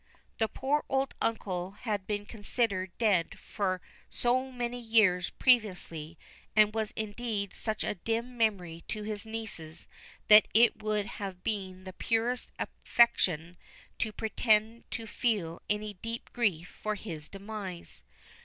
The poor old uncle had been considered dead for so many years previously, and was indeed such a dim memory to his nieces, that it would have been the purest affectation to pretend to feel any deep grief for his demise.